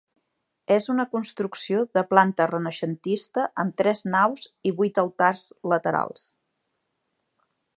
És una construcció de planta renaixentista, amb tres naus i vuit altars laterals.